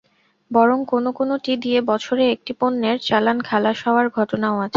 বরং কোনো কোনোটি দিয়ে বছরে একটি পণ্যের চালান খালাস হওয়ার ঘটনাও আছে।